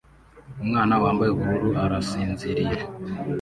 Umwana wambaye ubururu arasinziriye